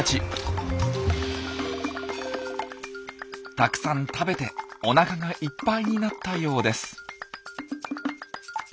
たくさん食べておなかがいっぱいになったようです。